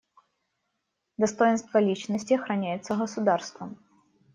Достоинство личности охраняется государством.